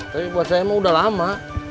tapi buat saya emang udah lama